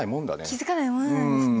気付かないものなんですね。